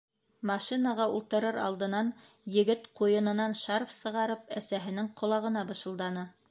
Машинаға ултырыр алдынан егет, ҡуйынынан шарф сығарып, әсәһенең ҡолағына бышылданы: